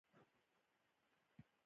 موږ په هغه کچه میډیا نلرو.